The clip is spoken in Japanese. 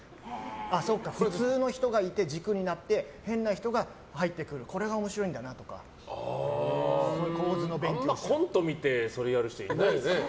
そうか普通の人がいて軸になって変な人が入ってくるこれが面白いんだなとかあんまりコントを見てそれをやる人いないですよ。